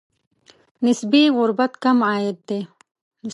نسبي غربت کم عاید دی.